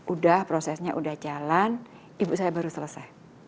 udah prosesnya udah jalan ibu saya baru selesai